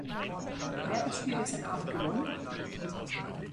Wer hat das Spiel gestern Abend gewonnen?